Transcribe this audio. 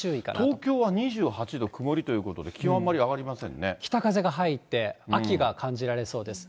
東京は２８度、曇りということで、気温、あまり上がりません北風が入って、秋が感じられそうです。